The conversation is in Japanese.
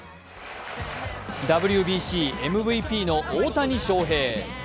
ＷＢＣ・ＭＶＰの大谷翔平。